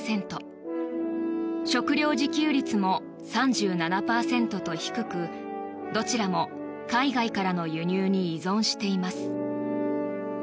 食料自給率も３７％と低くどちらも海外からの輸入に依存しています。